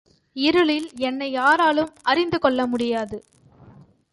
இருளில் என்னை யாராலும் அறிந்து கொள்ள முடியாது.